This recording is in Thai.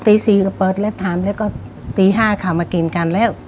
ตี๔ก็เปิดเล็ดถามแล้วก็ตี๕ค่ะมากินกันแล้ว